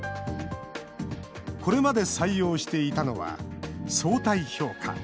これまで採用していたのは相対評価。